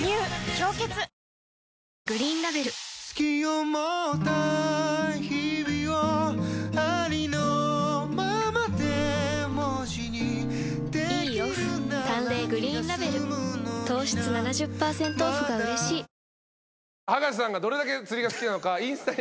「氷結」グリーンラベル“好き”を持った日々をありのままで文字にできるならいいオフ「淡麗グリーンラベル」気が済むのにな糖質７０％オフがうれしい葉加瀬さんが。